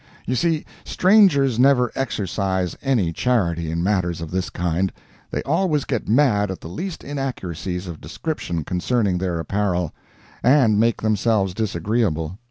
You see strangers never exercise any charity in matters of this kind—they always get mad at the least inaccuracies of description concerning their apparel, and make themselves disagreeable.